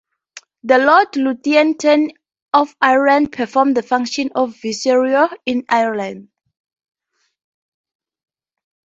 The Lord Lieutenant of Ireland performed the function of viceroy in Ireland.